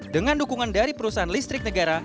dengan dukungan dari perusahaan listrik negara